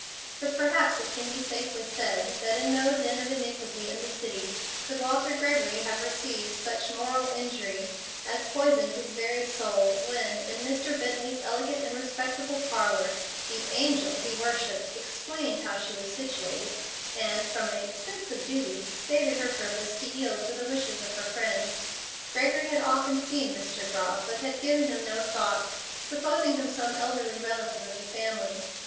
But perhaps it can be safely said that in no den of iniquity in the city could Walter Gregory have received such moral injury as poisoned his very soul when, in Mr. Bently's elegant and respectable parlor, the "angel" he worshipped "explained how she was situated," and from a "sense of duty" stated her purpose to yield to the wishes of her friends. Gregory had often seen Mr. Grobb, but had given him no thought, supposing him some elderly relative of the family.